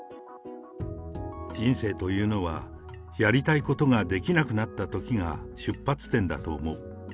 人生というのは、やりたいことができなくなったときが出発点だと思う。